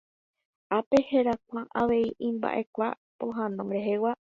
ápe herakuã avei imba'ekuaa pohãno rehegua